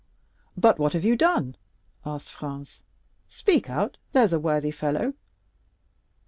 "But what have you done?" asked Franz. "Speak out, there's a worthy fellow."